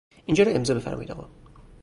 اینجا را امضا بفرمایید آقا.